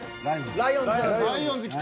ライオンズきた！